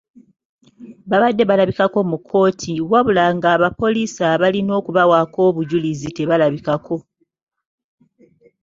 Babadde balabikako mu kkooti wabula ng'abapoliisi abalina okubawaako obujulizi tebalabikako.